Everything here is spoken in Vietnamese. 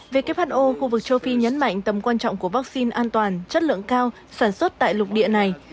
về kế hoạch ô khu vực châu phi nhấn mạnh tầm quan trọng của vắc xin an toàn chất lượng cao sản xuất tại lục địa này